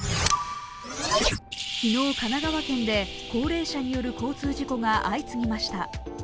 昨日、神奈川県で高齢者による交通事故が相次ぎました。